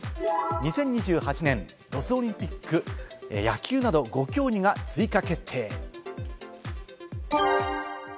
２０２８年、ロスオリンピック、野球など５競技が追加決定。